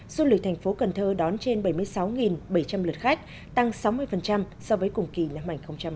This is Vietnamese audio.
du lịch thành phố cần thơ đón trên bảy mươi sáu bảy trăm linh lượt khách tăng sáu mươi so với cùng kỳ năm hai nghìn một mươi tám